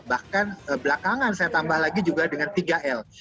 bahkan belakangan saya tambah lagi juga dengan tiga l